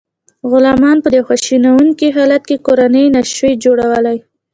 غلامانو په دې خواشینونکي حالت کې کورنۍ نشوای جوړولی.